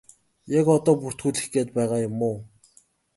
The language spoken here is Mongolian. Яг одоо бүртгүүлэх гээд байгаа юм уу?